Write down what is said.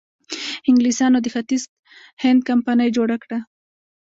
انګلیسانو د ختیځ هند کمپنۍ جوړه کړه.